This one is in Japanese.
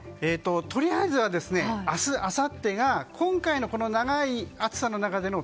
とりあえずは明日あさってが今回のこの長い暑さの中での